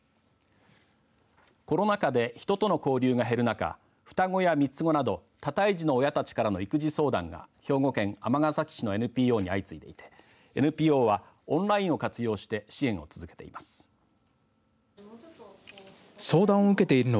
コロナ禍で人との交流が減る中双子や３つ子など多胎児の親たちからの育児相談が兵庫県尼崎市のＮＰＯに相次いでいてＮＰＯはオンラインを活用して支援を続けています。